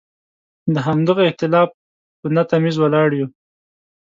د همدغه اختلاف په نه تمیز ولاړ یو.